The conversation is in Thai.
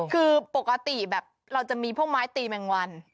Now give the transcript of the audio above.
คือปกติแบบเราจะมีพวกไม้ตีแมงวัน